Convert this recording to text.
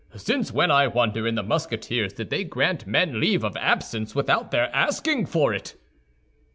Since when, I wonder, in the Musketeers, did they grant men leave of absence without their asking for it?"